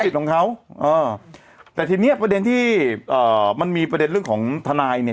ของเขาเออแต่ทีเนี้ยประเด็นที่เอ่อมันมีประเด็นเรื่องของทนายเนี่ย